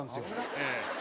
ええ。